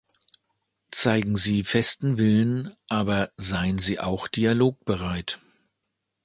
Zeigen Sie festen Willen, aber seien Sie auch dialogbereit.